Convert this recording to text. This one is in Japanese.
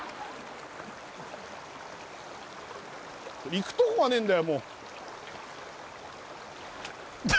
行くとこがねえんだよ